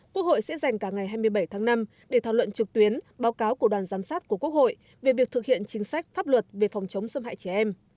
quốc hội sẽ dành cả ngày hai mươi bảy tháng năm để thảo luận trực tuyến báo cáo của đoàn giám sát của quốc hội về việc thực hiện chính sách pháp luật về phòng chống xâm hại trẻ em